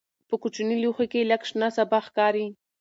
په کوچني لوښي کې لږ شنه سابه ښکاري.